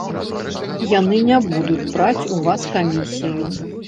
Яны не будуць браць у вас камісію.